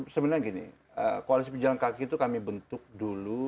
sebenarnya gini koalisi pejalan kaki itu kami bentuk dulu